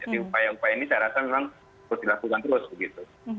jadi upaya upaya ini saya rasa memang harus dilakukan terus begitu